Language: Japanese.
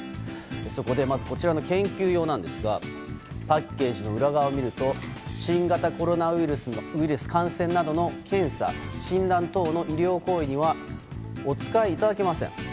そこでまずこちらの研究用なんですがパッケージの裏側を見ると新型コロナウイルス感染などの検査・診断等の医療行為にはお使いいただけません。